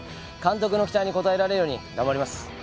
監督の期待に応えられるように頑張ります。